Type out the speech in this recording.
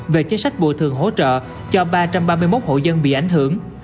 về chính sách bồi thường hỗ trợ cho ba trăm ba mươi một hộ dân bị ảnh hưởng